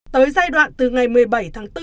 tới giai đoạn từ ngày một mươi bảy tháng bốn